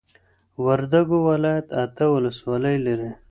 وردوګو ولايت اته ولسوالۍ لري